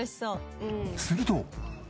すると。